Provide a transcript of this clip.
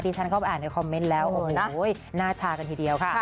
ฉันเข้าไปอ่านในคอมเมนต์แล้วโอ้โหหน้าชากันทีเดียวค่ะ